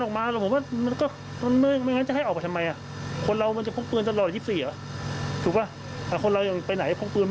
ใครจะพบใช่ป่ะ